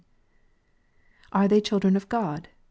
Are (they children of God?